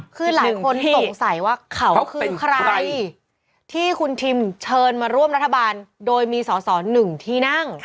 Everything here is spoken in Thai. คือหลายคนสงสัยว่าเขาคือใครที่คุณทิมเชิญมาร่วมรัฐบาลโดยมีสอสอหนึ่งที่นั่ง